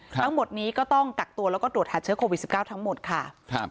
ทั้งหมดนี้ก็ต้องกักตัวแล้วก็ตรวจหาเชื้อโควิด๑๙ทั้งหมดค่ะ